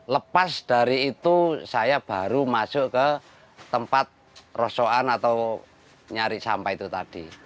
lepas dari itu saya baru masuk ke tempat rosokan atau nyari sampah itu tadi